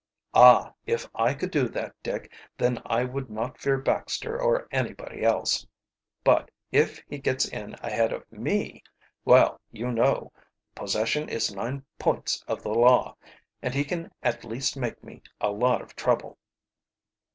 "Ah, if I could do that, Dick, then I would not fear Baxter or anybody else. But if he gets in ahead of me well, you know, 'possession is nine points of the law,' and he can at least make me a lot of trouble."